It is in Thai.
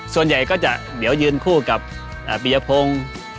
ส่วนใหญ่ก็จะเดี๋ยวยืนคู่กับปียพงศ์